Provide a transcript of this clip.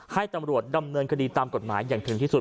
ให้ตำรวจดำเนินคดีตามกฎหมายอย่างถึงที่สุด